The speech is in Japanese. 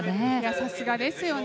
さすがですよね。